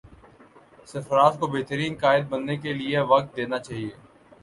سرفراز کو بہترین قائد بننے کے لیے وقت دینا چاہیے